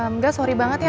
nggak sorry banget ya